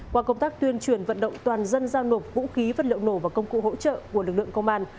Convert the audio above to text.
qua công tác tuyên truyền vận động toàn dân giao nộp vũ khí vật liệu nổ và công cụ hỗ trợ của lực lượng công an